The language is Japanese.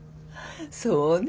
そうね。